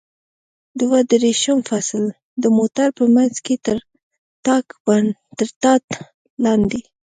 دوه دېرشم فصل: د موټر په منځ کې تر ټاټ لاندې.